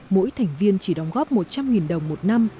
mỗi thành viên chỉ đóng góp một trăm linh đồng một năm